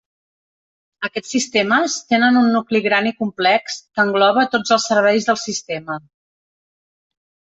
Aquests sistemes tenen un nucli gran i complex, que engloba tots els serveis del sistema.